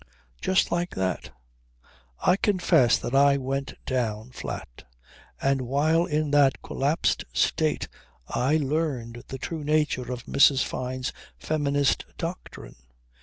Just like that. I confess that I went down flat. And while in that collapsed state I learned the true nature of Mrs. Fyne's feminist doctrine.